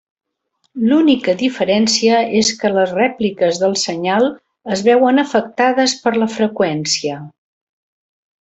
L’única diferència és que les rèpliques del senyal es veuen afectades per la freqüència.